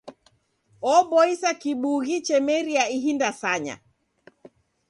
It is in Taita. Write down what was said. Oboisa kibughi chemeria ihi ndasanya.